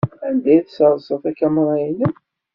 Anda ay tessersed takamra-nnem?